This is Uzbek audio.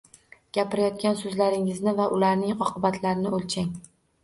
Gapirayotgan so‘zlaringizni va ularning oqibatlarini o‘lchang.